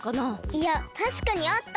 いやたしかにあった！